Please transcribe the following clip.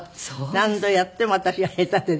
何度やっても私が下手でね